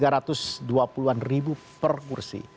rp tiga ratus dua puluh per kursi